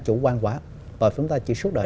chủ quan quá và chúng ta chỉ suốt đời